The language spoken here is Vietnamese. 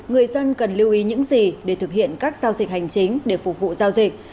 người dân cần lưu ý những gì để thực hiện các giao dịch hành chính để phục vụ giao dịch